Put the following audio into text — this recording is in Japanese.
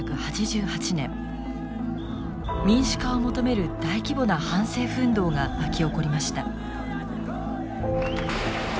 民主化を求める大規模な反政府運動が巻き起こりました。